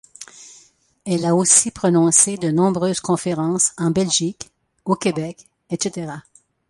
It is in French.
Elle a aussi prononcé de nombreuses conférences en Belgique, au Québec, etc.